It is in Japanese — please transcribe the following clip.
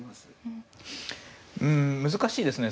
うん難しいですね。